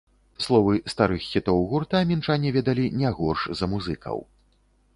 Словы старых хітоў гурта мінчане ведалі не горш за музыкаў.